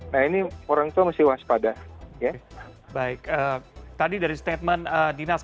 nah ini orang tua mesti waspada